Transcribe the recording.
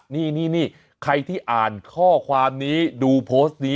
นี่ใครที่อ่านข้อความนี้ดูโพสต์นี้